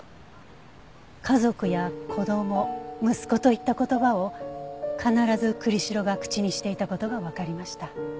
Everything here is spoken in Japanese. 「家族」や「子供」「息子」といった言葉を必ず栗城が口にしていた事がわかりました。